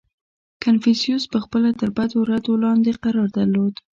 • کنفوسیوس پهخپله تر بدو ردو لاندې قرار درلود.